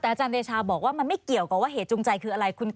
แต่อาจารย์เดชาบอกว่ามันไม่เกี่ยวกับว่าเหตุจูงใจคืออะไร